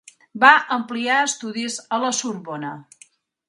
Va ampliar estudis a la Sorbona.